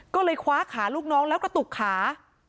ก็เลยคว้าขาลูกน้องแล้วกระตุกขา